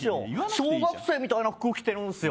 小学生みたいな服着てるんですよ